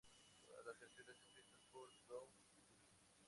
Todas las canciones escritas por Doug Yule.